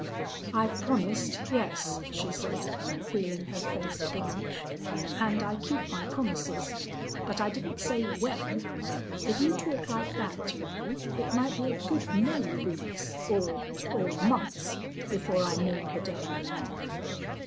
"I've promised, yes," she said, feeling her face blanch, "and I keep my promises.... But I didn't say when. If you talk like that to me it might be a good many weeks or or months before I name the day."